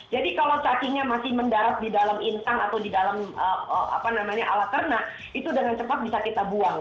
jadi kalau cacingnya masih mendarat di dalam insang atau di dalam alat serna itu dengan cepat bisa kita buang